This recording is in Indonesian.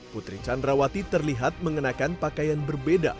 putri candrawati terlihat mengenakan pakaian berbeda